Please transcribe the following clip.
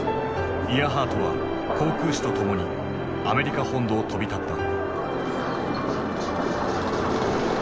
イアハートは航空士とともにアメリカ本土を飛び立った。